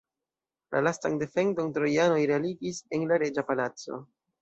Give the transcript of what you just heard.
La lastan defendon trojanoj realigis en la reĝa palaco.